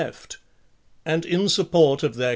Jeft, and. in. support of their.